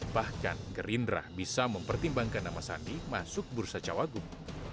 bahkan gerindra bisa mempertimbangkan nama sandi masuk bursa cawagup